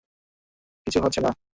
কিছু হচ্ছে না।